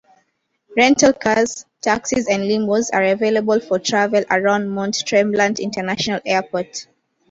Rental cars, taxis and limos are available for travel around Mont Tremblant International Airport.